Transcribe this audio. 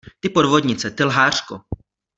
Ty podvodnice, ty lhářko!